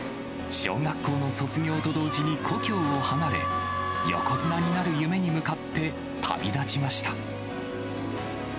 小学校の卒業と同時に故郷を離れ、横綱になる夢に向かって旅立ちました。